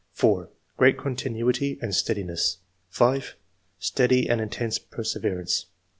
'' 4. "Great continuity and steadiness." 5. Steady and intense perseverance."